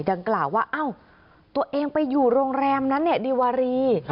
ดังกล่าวว่าเอ้าตัวเองไปอยู่โรงแรมนั้นเนี่ยดีวารี